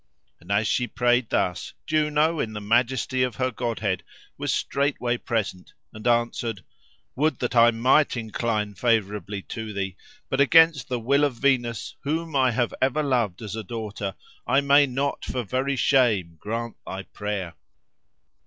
And as she prayed thus, Juno in the majesty of her godhead, was straightway present, and answered, "Would that I might incline favourably to thee; but against the will of Venus, whom I have ever loved as a daughter, I may not, for very shame, grant thy prayer."